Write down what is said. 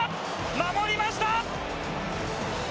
守りました！